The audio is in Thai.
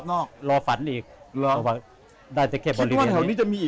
ต้นกระสังนี่นะ๑๒๓๔๕๖๗ตรงนี้จริง